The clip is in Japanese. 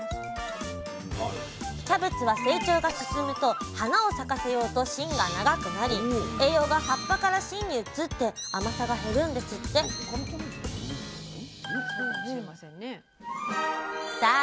キャベツは成長が進むと花を咲かせようと芯が長くなり栄養が葉っぱから芯に移って甘さが減るんですってさあ